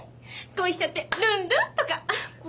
恋しちゃってルンルン？